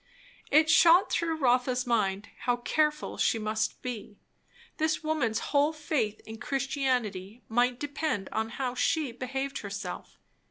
It shot through Rotha's mind, how careful she must be. This woman's whole faith in Christianity might depend on how she behaved herself.